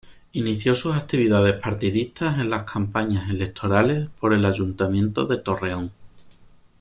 Inició sus actividades partidistas en las campañas electorales por el Ayuntamiento de Torreón.